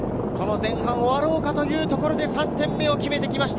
前半終わろうかというところで、３点目を決めてきました。